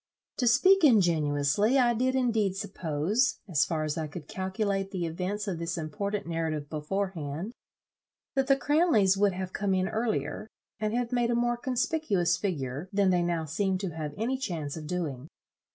To speak ingenuously, I did indeed suppose, as far as I could calculate the events of this important narrative beforehand, that the Miss Cranleys would have come in earlier, and have made a more conspicuous figure, than they now seem to have any chance of doing.